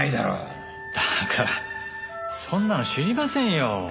だからそんなの知りませんよ！